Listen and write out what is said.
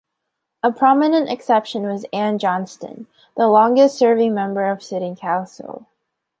A prominent exception was Anne Johnston, the longest-serving member of city council.